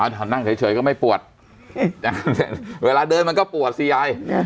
ถ้านั่งเฉยก็ไม่ปวดเวลาเดินมันก็ปวดสิยาย